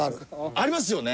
ありますよね？